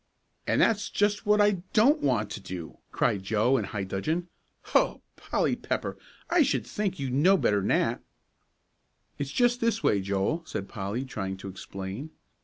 "And that's just what I don't want to do," cried Joe, in high dudgeon. "Hoh, Polly Pepper, I sh'd think you'd know better'n that!" "It's just this way, Joel," said Polly, trying to explain.